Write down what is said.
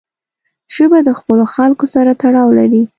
ژبه د خپلو خلکو سره تړاو لري